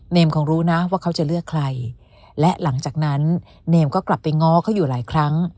คงรู้นะว่าเขาจะเลือกใครและหลังจากนั้นเนมก็กลับไปง้อเขาอยู่หลายครั้ง